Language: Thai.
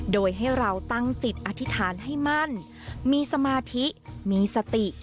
โดยให้เราตั้งจิตอธิษฐานให้มั่นมีสมาธิมีสติ